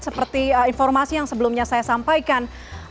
seperti informasi yang sebelumnya saya sampaikan